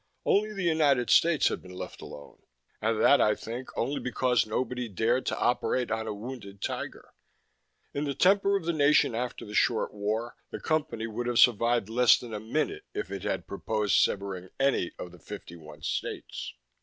Only the United States had been left alone and that, I think, only because nobody dared to operate on a wounded tiger. In the temper of the nation after the Short War, the Company would have survived less than a minute if it had proposed severing any of the fifty one states....